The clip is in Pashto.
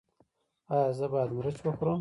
ایا زه باید مرچ وخورم؟